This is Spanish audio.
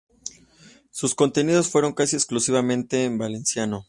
Sus contenidos fueron casi exclusivamente en valenciano.